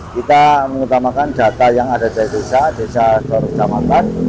kita mengutamakan data yang ada dari desa desa seluruh kecamatan